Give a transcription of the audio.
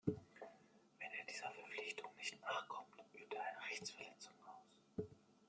Wenn er dieser Verpflichtung nicht nachkommt, übt er eine Rechtsverletzung aus.